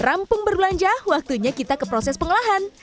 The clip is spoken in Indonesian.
rampung berbelanja waktunya kita ke proses pengolahan